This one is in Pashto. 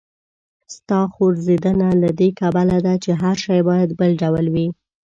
ستا ځوریدنه له دې کبله ده، چې هر شی باید بل ډول وي.